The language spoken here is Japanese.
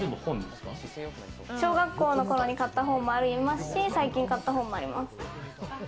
小学校の時に買った本もありますし、最近買った本もあります。